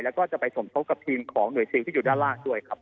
แล้วก็จะไปสมทบกับทีมของหน่วยซิลที่อยู่ด้านล่างด้วยครับ